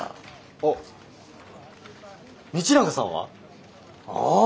あ道永さんは？ああ。